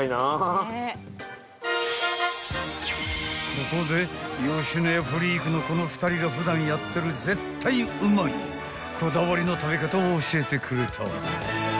［ここで野家フリークのこの２人が普段やってる絶対うまいこだわりの食べ方を教えてくれた］